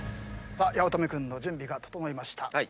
八乙女君の準備が整いました。